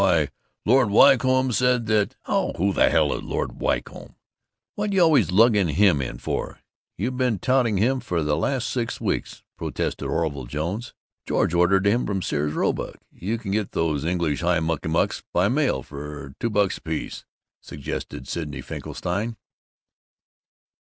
Why, Lord Wycombe said that " "Oh, who the hell is Lord Wycombe? What you always lugging him in for? You been touting him for the last six weeks!" protested Orville Jones. "George ordered him from Sears Roebuck. You can get those English high muckamucks by mail for two bucks apiece," suggested Sidney Finkelstein.